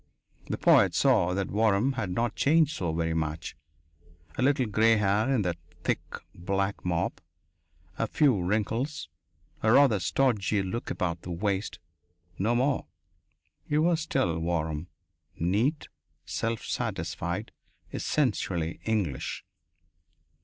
The poet saw that Waram had not changed so very much a little gray hair in that thick, black mop, a few wrinkles, a rather stodgy look about the waist. No more. He was still Waram, neat, self satisfied, essentially English....